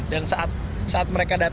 dan saat mereka datang